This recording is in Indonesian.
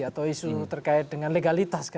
atau isu terkait dengan legalitas